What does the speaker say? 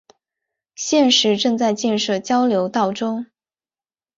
现时正在建设交流道中。